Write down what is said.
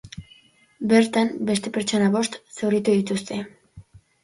Bertan, beste pertsona bost zauritu dituzte.